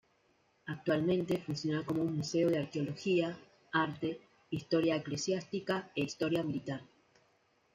Actualmente funciona como museo de arqueología, arte, historia eclesiástica e historia militar.